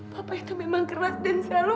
papa itu memang keras dan selalu